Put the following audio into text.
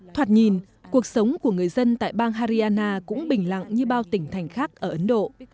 thoạt nhìn cuộc sống của người dân tại bang hariana cũng bình lặng như bao tỉnh thành khác ở ấn độ